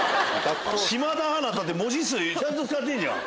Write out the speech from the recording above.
島田アナって文字数ちゃんと使ってるじゃん。